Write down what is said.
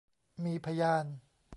มีพยาน